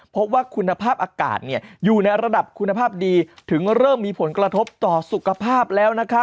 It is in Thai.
เพราะว่าคุณภาพอากาศอยู่ในระดับคุณภาพดีถึงเริ่มมีผลกระทบต่อสุขภาพแล้ว